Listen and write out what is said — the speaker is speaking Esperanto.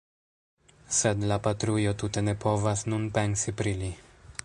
Sed la patrujo tute ne povas nun pensi pri li.